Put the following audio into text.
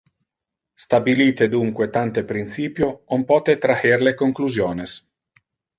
Stabilite dunque tante principio, on pote traher le conclusiones.